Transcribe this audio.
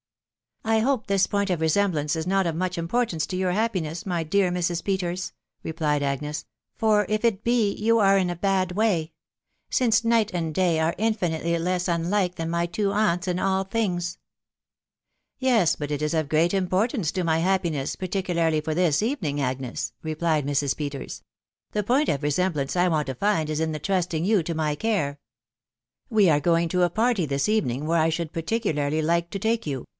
" I hope this point of resemblance is not of much import. Mnce to jour happiness, my dear Mrs. Peters," replied Agnes, "for if it be, you are in a tad wa^ *, «kvo& m^ht and day an a infinitely less unlike than my two route S&. & xtosx^* THE WIDOW BA&NABY. 433 " Yes, but it is of great importance to my happiness, parti cularly for this evening, Agnes," replied Mrs. Peters. " The point of resemblance J want to find is in the trusting you tc my care. We are going to a party this evening where 1 should particularly like to take you